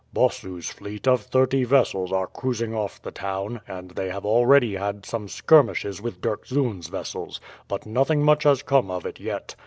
"Bossu's fleet of thirty vessels are cruising off the town, and they have already had some skirmishes with Dirkzoon's vessels; but nothing much has come of it yet.